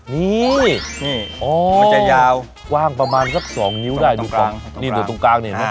นี่มันจะยาวกว้างประมาณสัก๒นิ้วได้ตรงกลางตรงกลาง